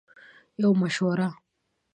- یوه مشوره 💡